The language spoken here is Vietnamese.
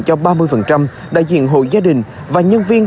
cho ba mươi đại diện hội gia đình và nhân viên